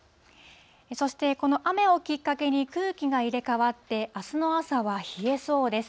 そして、この雨をきっかけに、空気が入れ代わって、あすの朝は冷えそうです。